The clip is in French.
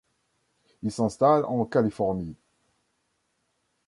Il s'installe en Californie.